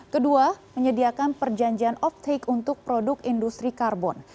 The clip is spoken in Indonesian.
kedua menyediakan perjanjian offtake untuk produk industri karbon